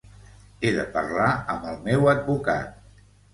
He de parlar amb el meu advocat.